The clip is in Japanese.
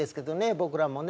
僕らもね。